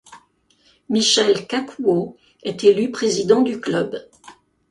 Michel Cacouault est élu président du club.